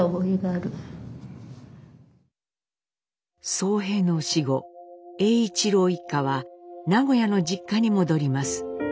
荘平の死後栄一郎一家は名古屋の実家に戻ります。